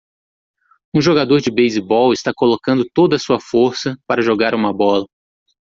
Um jogador de beisebol está colocando toda a sua força para jogar uma bola.